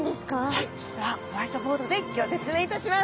はいそれではホワイトボードでギョ説明いたします。